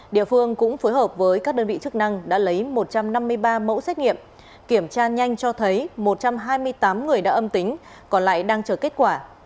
địa phương cũng phối hợp với các đơn vị chức năng đã lấy một trăm năm mươi ba mẫu xét nghiệm kiểm tra nhanh cho thấy một trăm hai mươi tám người đã âm tính còn lại đang chờ kết quả